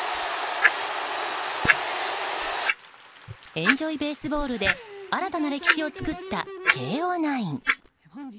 エンジョイ・ベースボールで新たな歴史を作った慶應ナイン。